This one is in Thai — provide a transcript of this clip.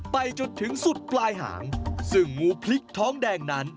ไปจนถึงสุดปลายหางซึ่งงูพริกท้องแดงนั้น